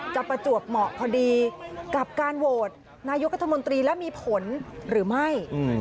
ประจวบเหมาะพอดีกับการโหวตนายกรัฐมนตรีและมีผลหรือไม่